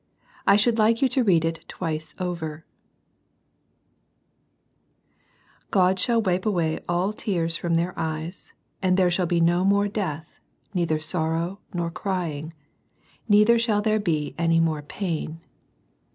iii. 35.) NO MORE CRYING I God shall wipe away all tears from their eyes ; and there shall be no more death, neither sorrow nor crying, neither shall there be any more pain."